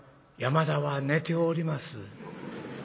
「山田は寝ております」。